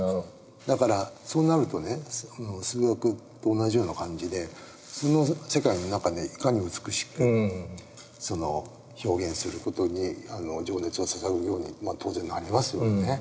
だからそうなるとね数学と同じような感じでその世界の中でいかに美しく表現する事に情熱をささぐように当然なりますよね。